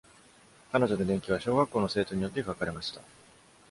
彼女の伝記は小学校の生徒によって書かれました。